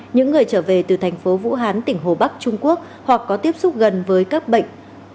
những người trở về từ thành phố vũ hán tỉnh hồ bắc trung quốc hoặc có tiếp xúc gần với các bệnh